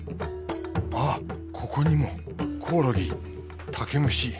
あっここにもコオロギ竹虫。